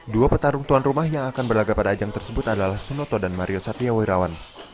dua petarung tuan rumah yang akan berlagak pada ajang tersebut adalah sunoto dan mario satya wirawan